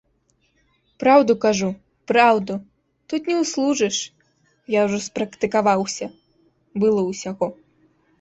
Праўду кажу, праўду, тут не ўслужыш, я ўжо спрактыкаваўся, было ўсяго.